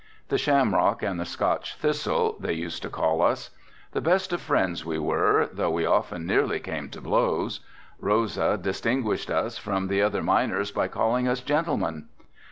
The Shamrock and the Scotch Thistle, they used to call us. The best of friends we were, though we often nearly came to blows. Rosa distinguished us from the other miners by calling us gentlemen.